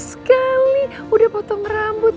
sekali udah potong rambut